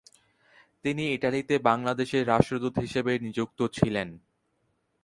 তিনি ইতালিতে বাংলাদেশের রাষ্ট্রদূত হিসেবে নিযুক্ত ছিলেন।